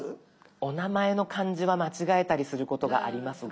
お名前の漢字は間違えたりすることがありますが。